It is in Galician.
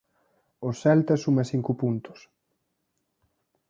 O Celta suma cinco puntos.